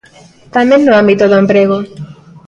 Tamén no ámbito do emprego.